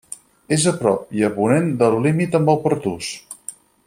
És a prop i a ponent del límit amb el Pertús.